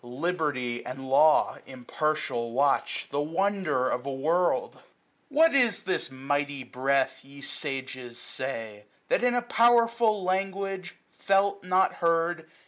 Liberty and Law, Impartial, watch ; the wonder of a world ! 845 What is this mighty Breath, ye sages, say. That, in a powerful language, felt not heard.